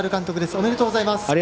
おめでとうございます。